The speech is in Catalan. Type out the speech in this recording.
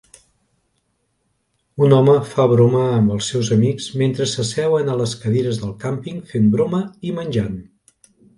Un home fa broma amb els seus amics mentre s'asseuen a les cadires del càmping fent broma i menjant.